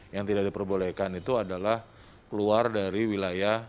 yang tidak diperbolehkan itu adalah keluar dari wilayah